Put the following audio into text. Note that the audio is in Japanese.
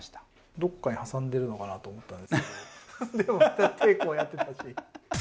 どっかに挟んでるのかなと思ったんですけどでも手こうやってたし。